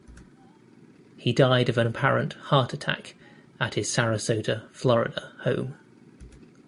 He died of an apparent heart attack at his Sarasota, Florida, home.